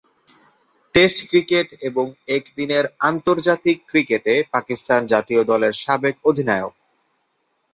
Test cricket এবং একদিনের আন্তর্জাতিক ক্রিকেটে পাকিস্তান জাতীয় ক্রিকেট দলের সাবেক অধিনায়ক।